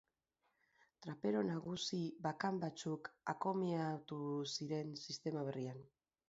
Trapero nagusi bakan batzuk akomeatu ziren sistema berrian.